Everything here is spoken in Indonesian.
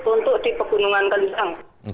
untuk di pegunungan kendeng